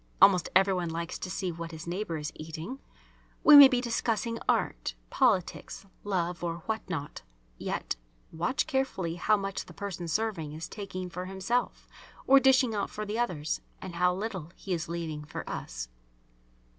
(Almost every one likes to see what his neighbour is eating.) We may be discussing art, politics, love, or what not, yet watch carefully how much the person serving is taking for himself or dishing out for the others, and how little he is leaving for us.